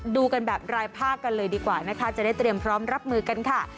ดูกันแบบรายภาคกันเลยดีกว่านะคะจะได้เตรียมพร้อมรับมือกันค่ะ